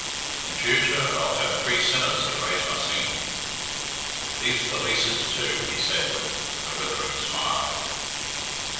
In future I'll have three sinners to raise my singing. These polices, too!" he said with a withering smile.